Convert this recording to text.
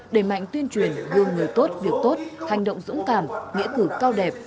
để mạnh tuyên truyền vương người tốt việc tốt hành động dũng cảm nghĩa cử cao đẹp